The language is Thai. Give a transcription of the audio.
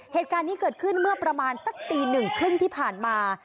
เหตุการณ์นี้เกิดขึ้นเมื่อประมาณสักตีหนึ่งครึ่งที่ผ่านมา